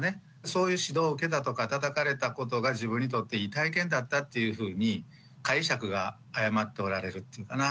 そういう指導を受けたとかたたかれたことが自分にとっていい体験だったっていうふうに解釈が誤っておられるっていうかな